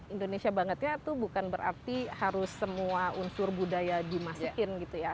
indonesia banget ya itu bukan berarti harus semua unsur budaya dimasukin gitu ya